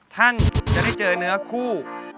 ท่านจะได้เจอเนื้อคู่